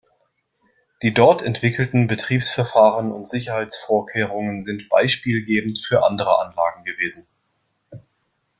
Die dort entwickelten Betriebsverfahren und Sicherheitsvorkehrungen sind beispielgebend für andere Anlagen gewesen.